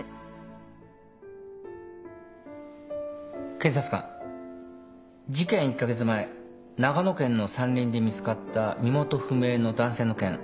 検察官事件１カ月前長野県の山林で見つかった身元不明の男性の件話してください。